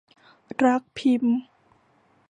รักพิมพ์